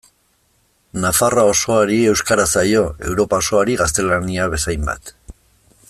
Nafarroa osoari euskara zaio Europa osoari gaztelania bezainbat.